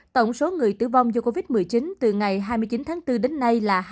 tổng số người tử vong do covid một mươi chín từ ngày hai mươi chín tháng bốn đến nay là hai mươi